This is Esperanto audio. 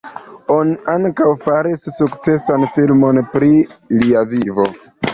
Oni ankaŭ faris sukcesan filmon pri lia vivo.